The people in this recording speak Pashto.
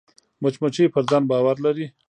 مچمچۍ پر ځان باور لري